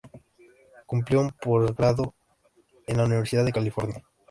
Cumplió un posdoctorado en la Universidad de California.